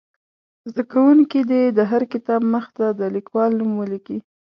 زده کوونکي دې د هر کتاب مخ ته د لیکوال نوم ولیکي.